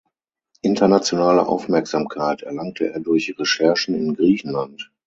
Internationale Aufmerksamkeit erlangte er durch Recherchen in Griechenland.